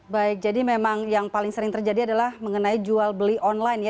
baik jadi memang yang paling sering terjadi adalah mengenai jual beli online ya